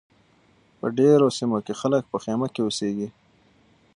په ډېرو سیمو کې خلک په خیمه کې اوسیږي.